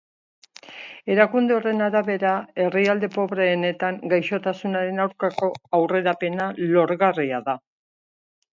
Erakunde horren arabera, herrialde pobreenetan gaixotasunaren aurkako aurrerapena lorgarria da.